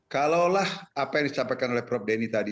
kalau lah apa yang disampaikan oleh prof deni tadi